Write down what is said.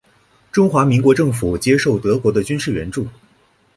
中华民国政府接受德国的军事援助。